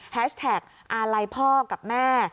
แท็กอาลัยพ่อกับแม่